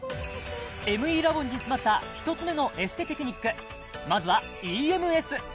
ＭＥラボンに詰まった１つ目のエステテクニックまずはＥＭＳ